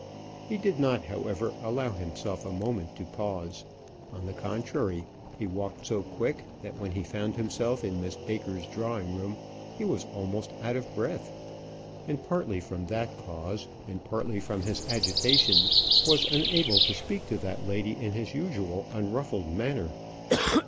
He did not however allow himself a moment to pause. On the contrary, he walked so quick, that when he found himself in Miss Baker's drawing room, he was almost out of breath, and partly from that cause, and partly from his agitation, was unable to speak to that lady in his usual unruffled manner.